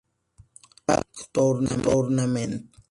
Tag Tournament.